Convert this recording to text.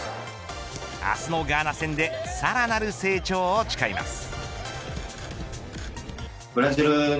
明日のガーナ戦でさらなる成長を誓います。